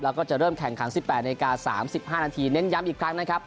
แล้วก็จะเริ่มแข่งขัน๑๘นาที๓๕นาทีเน้นย้ำอีกครั้งนะครับ